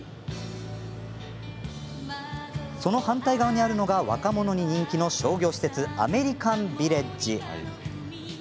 その反対側にあるのが若者に人気の商業施設アメリカンビレッジ。